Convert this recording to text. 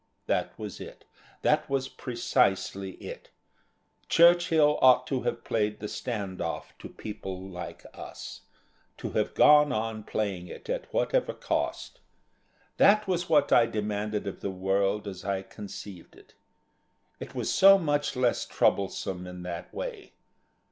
That was it that was precisely it. Churchill ought to have played the stand off to people like us to have gone on playing it at whatever cost. That was what I demanded of the world as I conceived it. It was so much less troublesome in that way.